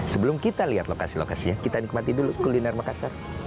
sebelum kita lihat lokasi lokasinya kita nikmati dulu kuliner makassar